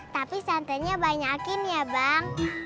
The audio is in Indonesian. tapi satenya banyakin ya bang